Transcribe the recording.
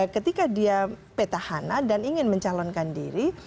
ketika dia petahana dan ingin mencalonkan diri